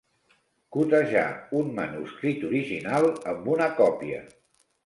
Cotejar un manuscrit original amb una còpia.